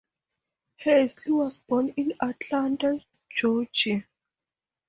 Hensley was born in Atlanta, Georgia.